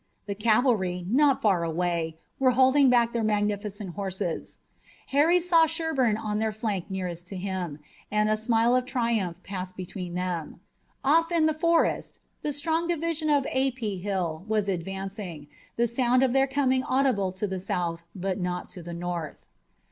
The cavalry, not far away, were holding back their magnificent horses. Harry saw Sherburne on their flank nearest to him, and a smile of triumph passed between them. Off in the forest the strong division of A. P. Hill was advancing, the sound of their coming audible to the South but not to the North.